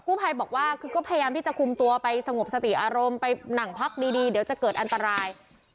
ภัยบอกว่าคือก็พยายามที่จะคุมตัวไปสงบสติอารมณ์ไปหนังพักดีเดี๋ยวจะเกิดอันตราย